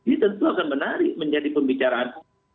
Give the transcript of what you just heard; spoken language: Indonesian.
ini tentu akan menarik menjadi pembicaraan